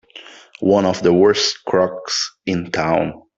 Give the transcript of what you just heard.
One of the worst crooks in town!